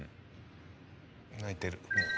泣いてる。